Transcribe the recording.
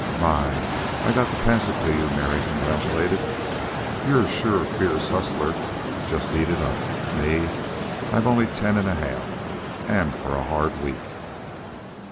"My! I got to pass it to you," Mary congratulated. "You're a sure fierce hustler just eat it up. Me I've only ten an' a half, an' for a hard week...